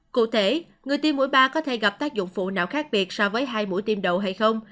cụ thể người tiêm mũi ba có thể gặp tác dụng phụ nào khác biệt so với hai mũi tiêm đậu hay không